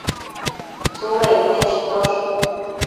Tsudain nechitosh